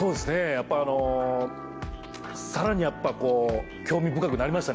やっぱあのさらにやっぱこう興味深くなりましたね